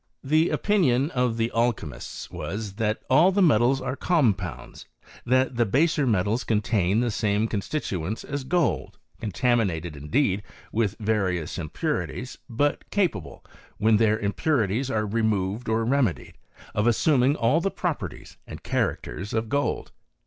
The opinion of the alchymists was, that all the me * tals are compounds; that the baser metals contain the same constituents as gold, contaminated, indeed , with various impurities, but capable, when their im. purities are removed or remedied, of assuming all the properties and characters of gold.